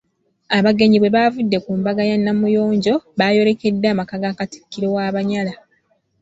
Abagenyi bwe baavudde ku mbuga ya Namuyonjo baayolekedde amaka ga Katikkiro w'Abanyala.